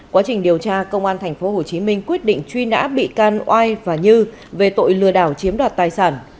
quá trình điều tra công an tp hcm quyết định truy nã bị can oai và như về tội lừa đảo chiếm đoạt tài sản